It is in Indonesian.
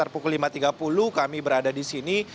pukul lima tiga puluh kami berada di sini